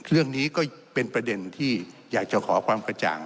เรื่องนี้ก็เป็นประเด็นที่อยากจะขอความกระจ่าง